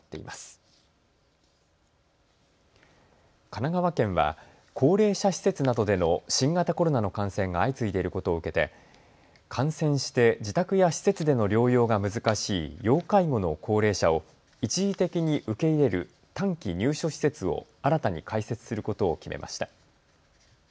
神奈川県は高齢者施設などでの新型コロナの感染が相次いでいることを受けて感染して自宅や施設での療養が難しい要介護の高齢者を一時的に受け入れる短期入所施設を新たに開設することを決めました。